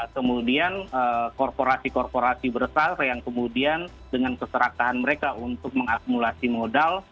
kemudian korporasi korporasi besar yang kemudian dengan keserakahan mereka untuk mengakumulasi modal